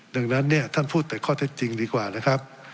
ดังนั้นเนี่ยท่านพูดแต่ข้อเท็จจริงดีกว่านะครับ